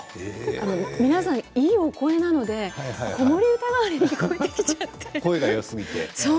皆さんいいお声なので子守歌代わりに聞こえてきちゃって。